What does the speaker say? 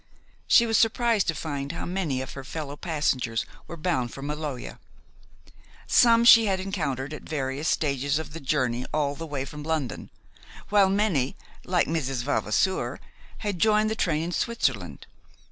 She was surprised to find how many of her fellow passengers were bound for Maloja. Some she had encountered at various stages of the journey all the way from London, while many, like Mrs. Vavasour, had joined the train in Switzerland.